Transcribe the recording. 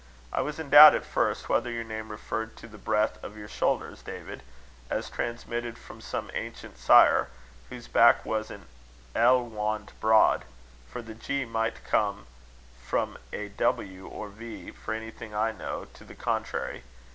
"I was in doubt at first whether your name referred to the breadth of your shoulders, David, as transmitted from some ancient sire, whose back was an Ellwand broad; for the g might come from a w or v, for anything I know to the contrary.